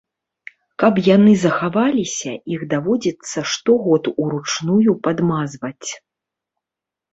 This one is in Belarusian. Каб яны захаваліся, іх даводзіцца штогод уручную падмазваць.